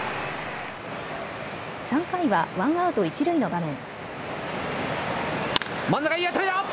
３回はワンアウト一塁の場面。